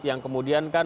yang kemudian kan